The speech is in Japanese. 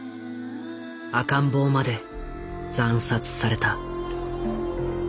赤ん坊まで惨殺された。